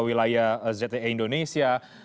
wilayah zte indonesia